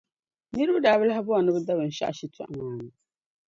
Niriba daa bi lahi bɔri ni bɛ da binshɛɣu shitɔɣu maa ni.